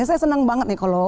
saya senang banget nih